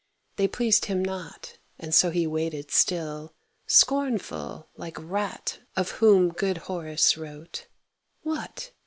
They pleased him not, and so he waited still, Scornful, like rat of whom good Horace wrote. "What!